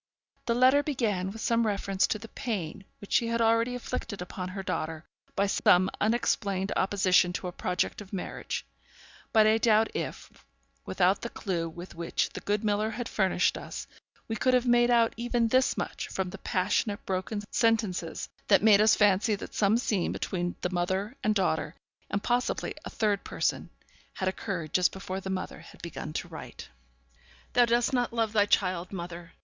The letter began with some reference to the pain which she had already inflicted upon her daughter by some unexplained opposition to a project of marriage; but I doubt if, without the clue with which the good miller had furnished us, we could have made out even this much from the passionate, broken sentences that made us fancy that some scene between the mother and daughter and possibly a third person had occurred just before the mother had begun to write. 'Thou dost not love thy child, mother!